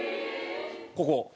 ここ。